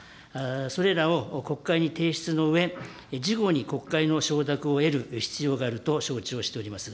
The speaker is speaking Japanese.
それらを国会に提出のうえ、事後に国会の承諾を得る必要があると承知をしております。